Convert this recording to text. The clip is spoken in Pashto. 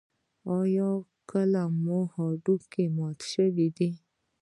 ایا کله مو هډوکی مات شوی دی؟